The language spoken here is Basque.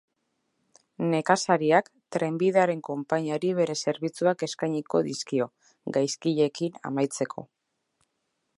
Nekazariak, trenbidearen konpainiari bere zerbitzuak eskainiko dizkio, gaizkileekin amaitzeko.